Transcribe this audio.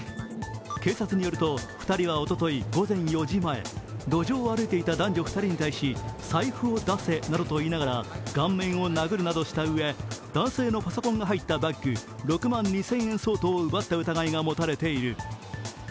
警察によると２人はおととい午前４時前、路上を歩いていた男女２人に対し財布を出せなどといって顔面を殴るなどしたうえ、男性のパソコンなどが入ったバッグ、６万２０００円相当を奪った疑いが持たれている。